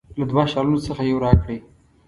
له دوه شالونو څخه یو راکړي.